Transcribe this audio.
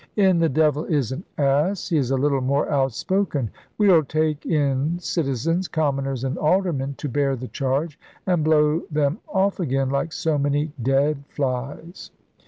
In The Devil is an Ass he is a little more outspoken. We*ll take in citizens, commoners, and aldermen To bear the charge, and blow them off again Like so many dead flies.